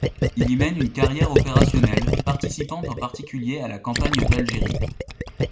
Il y mène une carrière opérationnelle, participant en particulier à la campagne d'Algérie.